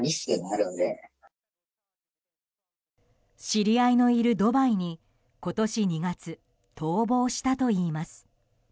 知り合いのいるドバイに今年２月、逃亡したといいます。